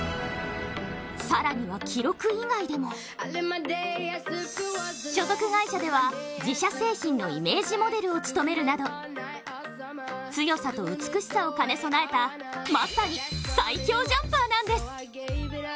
更には記録以外でも、所属会社では、自社製品のイメージモデルを勤めるなど強さと美しさを兼ね備えたまさに最強ジャンパーなんです。